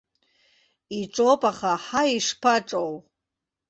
Иҿоуп, аха, ҳаи, ишԥаҿоу!